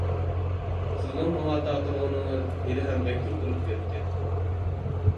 سىزنىڭ ماڭا ئاتا قىلغىنىڭىز ھېلىھەم بەك كۆپ بولۇپ كەتتى.